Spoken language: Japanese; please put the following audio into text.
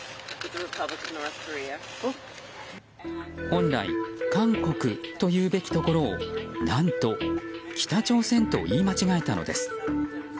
本来「韓国」と言うべきところを何と「北朝鮮」と言い間違えたのです。